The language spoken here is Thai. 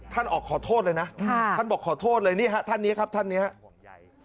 ท่านออกขอโทษเลยนะท่านบอกขอโทษเลยนี่ฮะท่านนี้ครับท่านนี้ครับ